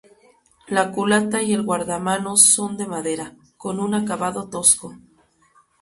La culata y el guardamanos son de madera, con un acabado tosco.